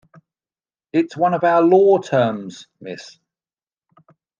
It's one of our law terms, miss.